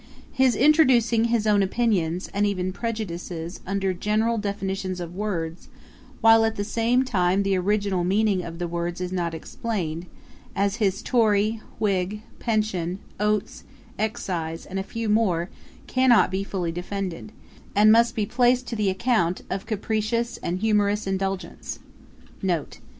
[Page 295: Humorous definitions.] His introducing his own opinions, and even prejudices, under general definitions of words, while at the same time the original meaning of the words is not explained, as his Tory, Whig, Pension, Oats, Excise, and a few more, cannot be fully defended, and must be placed to the account of capricious and humorous indulgence.